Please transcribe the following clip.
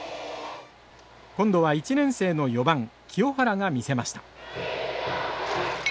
今度は１年生の４番清原が見せました。